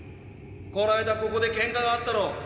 この間ここでケンカがあったろ。